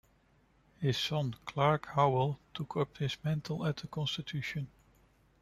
His son Clark Howell took up his mantel at the Constitution.